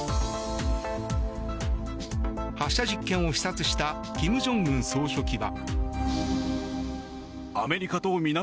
発射実験を視察した金正恩総書記は。